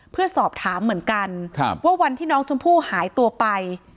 เพื่อสอบถามเหมือนกันว่าวันที่น้องชมพู่หายตัวไป